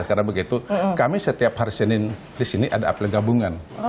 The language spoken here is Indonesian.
karena begitu kami setiap hari senin disini ada apel gabungan